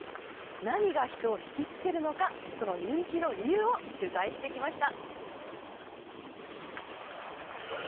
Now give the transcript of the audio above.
何が人をひきつけるのかその人気の理由を取材してきました。